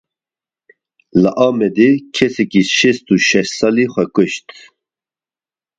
Li Amedê kesekî şêst û şeş salî xwe kuşt.